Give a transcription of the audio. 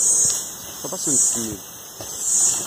Teṭṭfeḍ-asent-ten-id.